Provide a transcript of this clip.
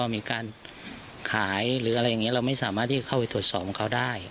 มีการขายหรืออะไรอย่างนี้เราไม่สามารถที่จะเข้าไปตรวจสอบของเขาได้